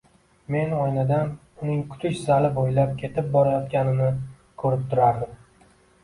Men oynadan uning kutish zali boʻylab ketib borayotganini koʻrib turardim.